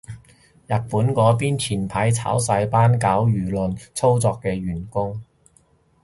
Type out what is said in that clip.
日本嗰邊前排炒晒班搞輿論操作嘅員工